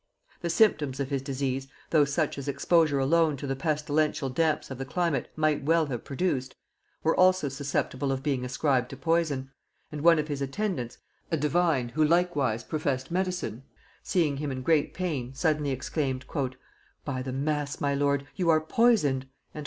The symptoms of his disease, though such as exposure alone to the pestilential damps of the climate might well have produced, were also susceptible of being ascribed to poison; and one of his attendants, a divine who likewise professed medicine, seeing him in great pain, suddenly exclaimed, "By the mass, my lord, you are poisoned!"